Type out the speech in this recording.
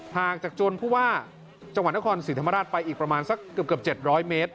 ทางจากจวนภูวาจังหวัดนครศรีธรรมราชไปอีกประมาณสักเกือบเกือบเจ็ดร้อยเมตร